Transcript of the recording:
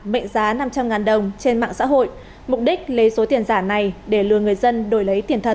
mệnh giá năm trăm linh đồng trên mạng xã hội mục đích lấy số tiền giả này để lừa người dân đổi lấy tiền thật